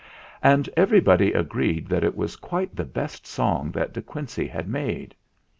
And everybody agreed that it was quite the best song that De Quincey had made.